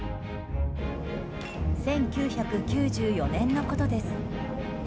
１９９４年のことです。